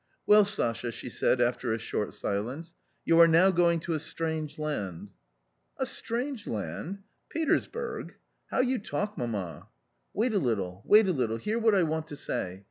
" Well, Sasha," she said after a short silence, " you are now going to a strange land." " A strange land ! Petersburg ! How you talk, mamma." " Wait a little, wait a little, hear what I want to say